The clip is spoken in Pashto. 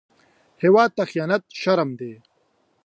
هېواد ته خيانت شرم دی